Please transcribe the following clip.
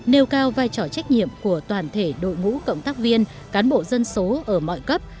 nêu cao vai trò trách nhiệm của toàn thể đội ngũ cộng tác viên cán bộ dân số ở mọi cấp